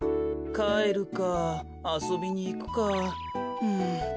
かえるかあそびにいくかうんどうしよう。